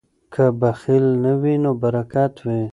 که بخل نه وي نو برکت وي.